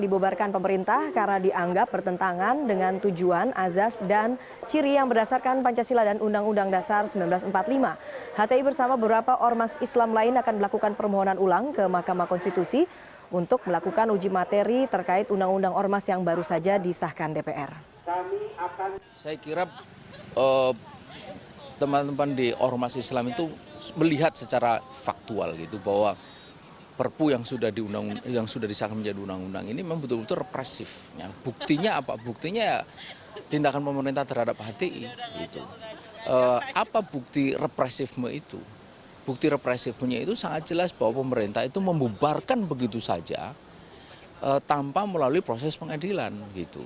bukti represifnya itu sangat jelas bahwa pemerintah itu membubarkan begitu saja tanpa melalui proses pengadilan